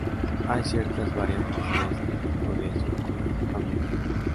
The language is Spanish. Hay ciertas variantes de este tipo de estructura familiar.